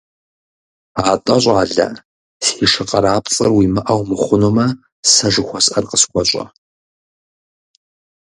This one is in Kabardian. АтӀэ, щӀалэ, си шы къарапцӀэр уимыӀэу мыхъунумэ, сэ жыхуэсӀэр къысхуэщӀэ.